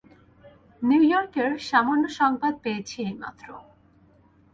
New ইয়র্কের সামান্য সংবাদ পেয়েছি এইমাত্র।